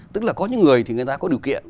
tức là có những người thì người ta có điều kiện